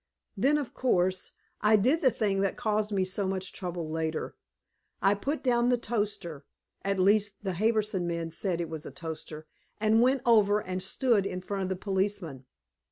Then, of course, I did the thing that caused me so much trouble later. I put down the toaster at least the Harbison man said it was a toaster and went over and stood in front of the policeman.